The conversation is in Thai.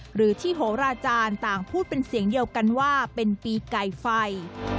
หรือที่โหราจารย์ต่างพูดเป็นเสียงเดียวกันว่าเป็นปีไก่ไฟ